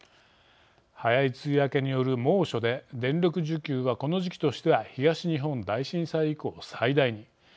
早い梅雨明けによる猛暑で電力需給がこの時期としては東日本大震災以降、最大に。